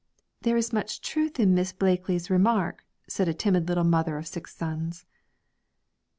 'There is much truth in Miss Blakely's remark,' said a timid little mother of six sons.